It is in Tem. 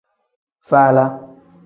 Faala.